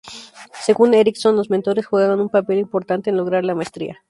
Según Ericsson, los mentores juegan un papel importante en lograr la maestría.